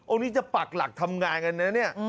อันนี้จะปรักหลักทำงานกันนะนี่